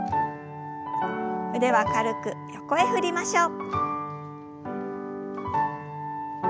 腕は軽く横へ振りましょう。